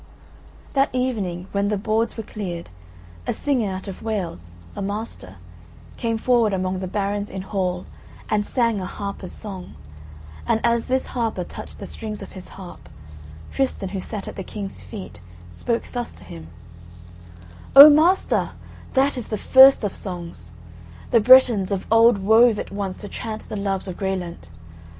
That evening, when the boards were cleared, a singer out of Wales, a master, came forward among the barons in Hall and sang a harper's song, and as this harper touched the strings of his harp, Tristan who sat at the King's feet, spoke thus to him: "Oh master, that is the first of songs! The Bretons of old wove it once to chant the loves of Graëlent.